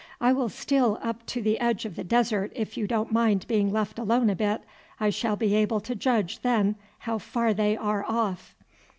"I will steal up to the edge of the desert, if you don't mind being left alone a bit. I shall be able to judge then how far they are off."